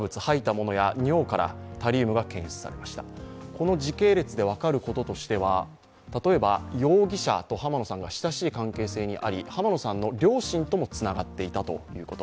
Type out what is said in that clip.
この時系列で分かることとしては例えば容疑者と濱野さんが親しい関係にあり濱野さんの両親ともつながっていたということ。